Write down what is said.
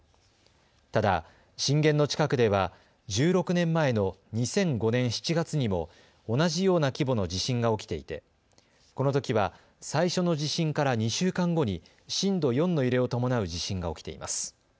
ただ震源の近くでは１６年前の２００５年７月にも同じような規模の地震が起きていてこのときは最初の地震から２週間後に震度４の揺れを伴う地震が起きています。